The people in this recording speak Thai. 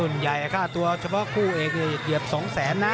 รุ่นใหญ่ค่าตัวเฉพาะคู่เอเกียบ๒แสนนะ